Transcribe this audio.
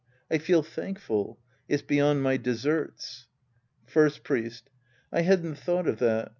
I feel thankful. It's beyond my deserts. First Priest. I hadn't thought of that.